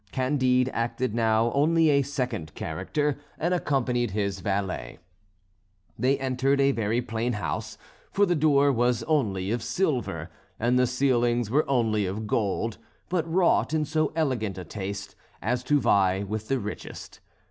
Candide acted now only a second character, and accompanied his valet. They entered a very plain house, for the door was only of silver, and the ceilings were only of gold, but wrought in so elegant a taste as to vie with the richest.